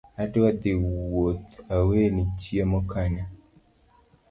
Adwa dhii wuoth aweni chiemo kanyo